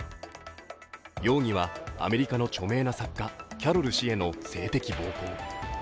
容疑は、アメリカの著名な作家、キャロル氏への性的暴行。